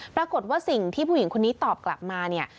ปรากฏว่าสิ่งที่ผู้หญิงคนนี้ตอบกลับมาเนี่ย